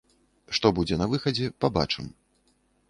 Што будзе на выхадзе, пабачым.